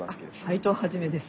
斎藤一です。